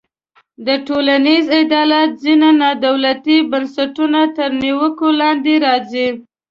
د ټولنیز عدالت ځینې نا دولتي بنسټونه تر نیوکو لاندې راځي.